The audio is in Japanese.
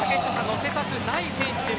のせたくない選手です。